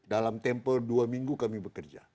dalam tempo dua minggu kami bekerja